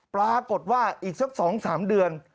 ปรากฏว่าอีกสัก๒๓เดือน